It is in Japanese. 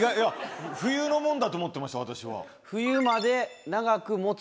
冬のもんだと思ってました私は。